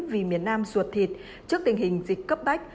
vì miền nam ruột thịt trước tình hình dịch cấp bách